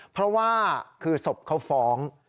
เพราะว่าคือศพเขาฟ้อง